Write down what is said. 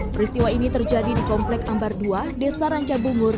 peristiwa ini terjadi di komplek ambar dua desa ranca bungur